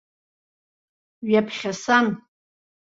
Ҩаԥхьа сан.